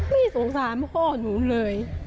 ไม่สงสารพ่อหนูเลย